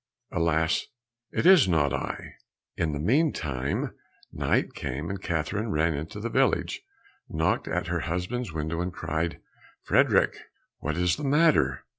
Alas, it is not I." In the meantime night came, and Catherine ran into the village, knocked at her husband's window, and cried, "Frederick." "What is the matter?"